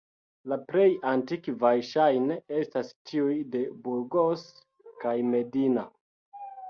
La plej antikvaj ŝajne estas tiuj de Burgos kaj Medina.